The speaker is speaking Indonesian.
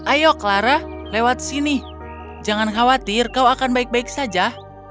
ayo clara lewat sini jangan khawatir kau akan baik baik saja